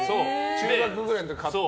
中学くらいの時買って。